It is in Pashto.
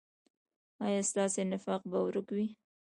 ایا ستاسو نفاق به ورک وي؟